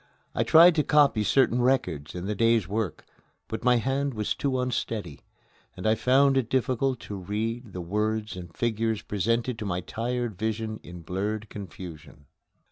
I tried to copy certain records in the day's work, but my hand was too unsteady, and I found it difficult to read the words and figures presented to my tired vision in blurred confusion.